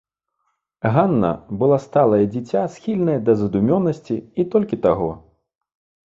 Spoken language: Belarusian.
Ганна была сталае дзіця, схільнае да задумёнасці, і толькі таго.